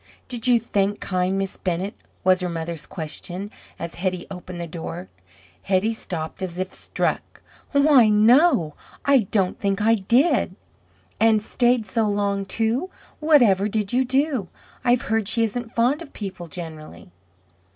"Did you thank kind Miss Bennett?" was her mother's question as Hetty opened the door. Hetty stopped as if struck, "Why, no! I don't think I did." "And stayed so long, too? Whatever did you do? I've heard she isn't fond of people generally."